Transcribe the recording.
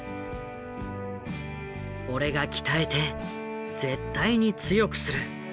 俺が鍛えて絶対に強くする。